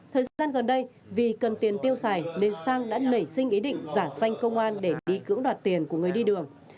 thời gian gần đây vì cần tiền tiêu xài nên sang đã nảy sinh ý định giả xanh công an để đi cưỡng đoạt tiền của người đi đường